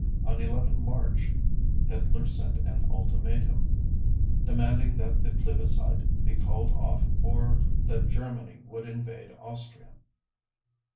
On 11 March Hitler sent an ultimatum, demanding that the plebiscite be called off or that Germany would invade Austria.